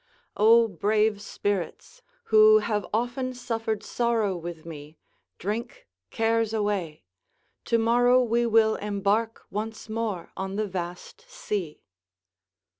["O brave spirits, who have often suffered sorrow with me, drink cares away; tomorrow we will embark once more on the vast sea."